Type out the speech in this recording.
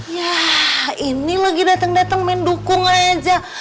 yah ini lagi dateng dateng main dukung aja